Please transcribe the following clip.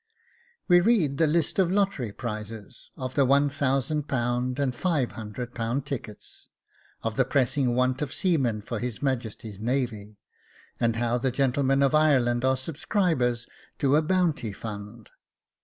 We read the list of Lottery Prizes, of the £1000 and £500 tickets; of the pressing want of seamen for His Majesty's Navy, and how the gentlemen of Ireland are subscribers to a bounty fund.